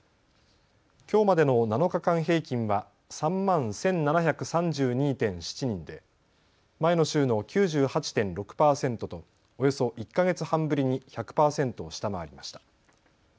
きょうまでの７日間平均は３万１７３２．７人で前の週の９８．６％とおよそ１か月半ぶりに１００％を下回りました。